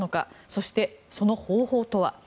そして、その方法とは。